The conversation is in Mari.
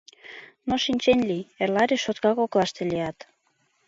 - Но шинчен лий: эрла решотка коклаште лият.